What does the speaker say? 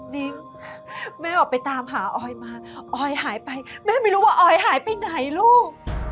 นิ้งแม่ออกไปตามหาออยมาออยหายไปแม่ไม่รู้ว่าออยหายไปไหนลูก